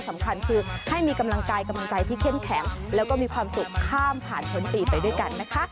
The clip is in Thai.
สำคัญคือให้มีกำลังกายกำลังใจที่เข้มแข็งแล้วก็มีความสุขข้ามผ่านพ้นปีไปด้วยกันนะคะ